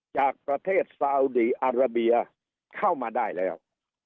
จากประเทศซาอุดีอาราเบียเข้ามาได้แล้ว